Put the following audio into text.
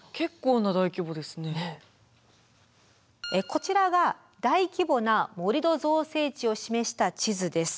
こちらが大規模な盛土造成地を示した地図です。